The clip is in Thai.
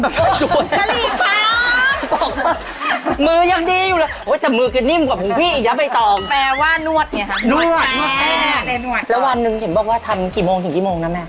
แล้ววันนึงเผ็ดบอกว่าว่าทำกี่โมงถึงกี่โมงนะแม่